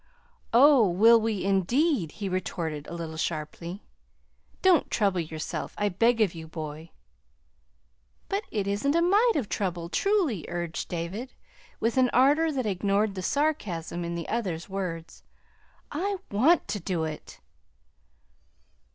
"Oh, will we, indeed!" he retorted, a little sharply. "Don't trouble yourself, I beg of you, boy." "But it isn't a mite of trouble, truly," urged David, with an ardor that ignored the sarcasm in the other's words. "I WANT to do it."